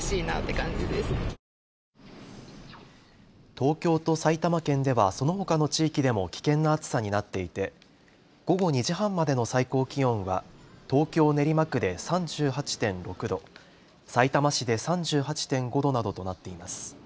東京と埼玉県では、そのほかの地域でも危険な暑さになっていて午後２時半までの最高気温は東京練馬区で３８．６度、さいたま市で３８．５度などとなっています。